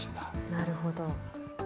なるほど。